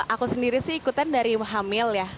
aku sendiri sih ikutan dari hamil ya